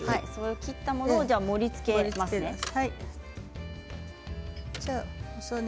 切ったものを盛りつけますね。